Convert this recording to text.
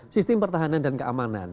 sistem pertahanan dan keamanan